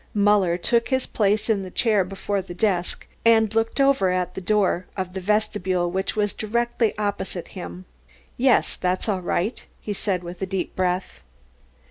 Muller took his place in the chair before the desk and looked over at the door of the vestibule, which was directly opposite him. "Yes, that's all right," he said with a deep breath.